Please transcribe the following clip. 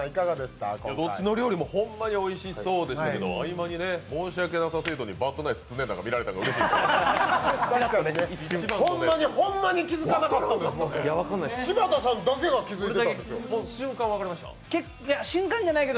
どっちの料理もほんまにおいしそうでしたけど、合間に申し訳なさ程度にバッドナイス常田が見られたのがうれしい。